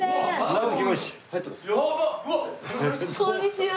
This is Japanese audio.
こんにちは。